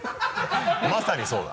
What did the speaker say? まさにそうだ。